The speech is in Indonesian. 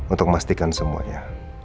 untuk memastikan semuanya